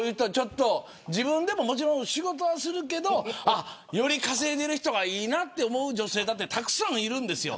自分でも、もちろん仕事するけどより稼いでいる人がいいなと思う女性だってたくさんいるんですよ。